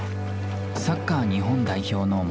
サッカー日本代表の元監督